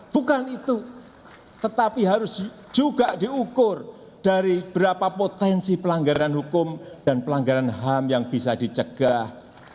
bukan itu tetapi harus juga diukur dari berapa potensi pelanggaran hukum dan pelanggaran ham yang bisa dicegah